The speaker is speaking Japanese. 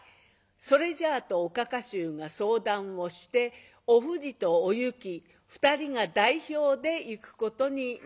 それじゃあ」とおかか衆が相談をしておふじとおゆき２人が代表で行くことになりました。